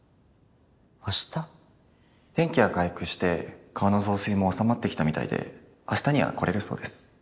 天気が回復して川の増水も収まってきたみたいで明日には来れるそうです。